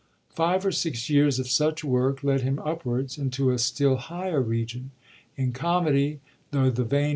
Five or six years of such work led him upwards into a still higher region. In comedy, though the vein wa.